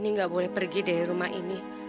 keni gak boleh pergi dari rumah ini